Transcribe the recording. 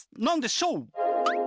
何でしょう？